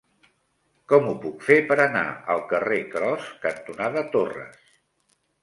Com ho puc fer per anar al carrer Cros cantonada Torres?